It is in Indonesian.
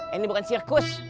ini bukan sirkus